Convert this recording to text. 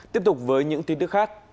tiếp tục với những tin tức khác